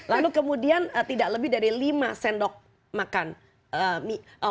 lalu kemudian tidak lebih dari lima sendok makan mie